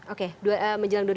oke menjelang dua ribu empat belas